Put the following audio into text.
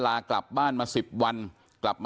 แม่โชคดีนะไม่ถึงตายนะ